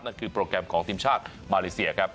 คือโปรแกรมของทีมชาติมาเลเซียครับ